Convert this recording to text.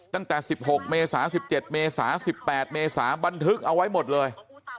ตั้งแต่๑๖เมษา๑๗เมษา๑๘เมษาบันทึกเอาไว้หมดเลย